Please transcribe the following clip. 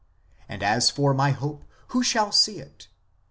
And as for my hope, who shall see it